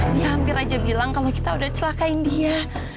ini hampir aja bilang kalau kita udah celakain dia